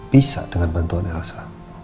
bisa dengan bantuan elsa